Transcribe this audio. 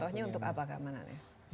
contohnya untuk apa keamanan ya